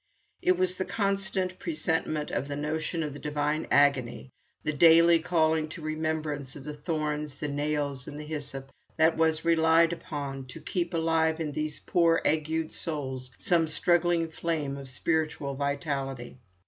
It was the constant presentment of the notion of the divine agony, the daily calling to remembrance of the thorns, the nails, and the hyssop, that was relied upon to keep alive in those poor agued souls some struggling flame of spiritual vitality.